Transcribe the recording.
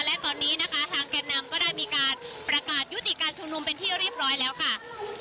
และตอนนี้นะคะทางแก่นำก็ได้มีการประกาศยุติการชุมนุมเป็นที่เรียบร้อยแล้วค่ะ